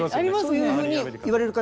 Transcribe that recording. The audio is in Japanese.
そういうふうに言われる方